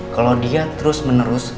kalau dia terus menerus